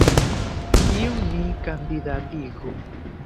Kiun ni kandidatigu?